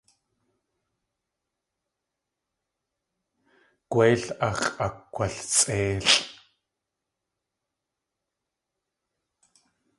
Gwéil ax̲ʼakgwasʼéilʼ.